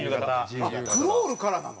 あっクロールからなの？